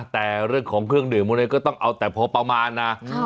แต่เรื่องของเครื่องดื่มพวกนี้ก็ต้องเอาแต่พอประมาณนะ